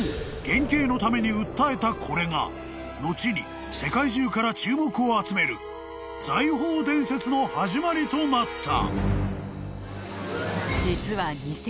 減刑のために訴えたこれが後に世界中から注目を集める財宝伝説の始まりとなった］